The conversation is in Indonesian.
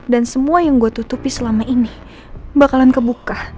dan semua yang gue tutupi selama ini bakalan kebuka